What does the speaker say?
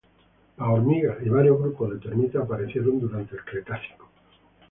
Las hormigas y varios grupos de termitas aparecieron durante el Cretácico.